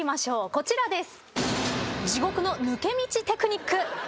こちらです。